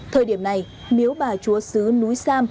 thời điểm này miếu bà chúa sứ núi sa